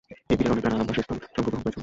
এই বিলের অনেক ধারা আবাসস্থল সংঘ গ্রহণ করেছিল।